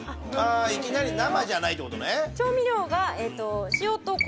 いきなり生じゃないってことね